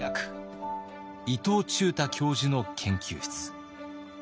伊東忠太教授の研究室。